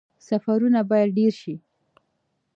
سفرونه باید ډیر شي